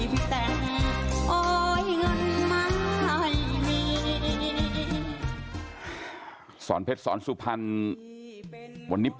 พี่ต้องกำท้อน